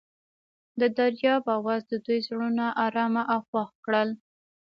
د دریاب اواز د دوی زړونه ارامه او خوښ کړل.